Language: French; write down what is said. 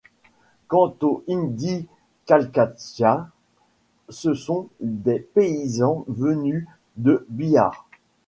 Quant aux Hindi Calcattias, ce sont des paysans venus de Bihar.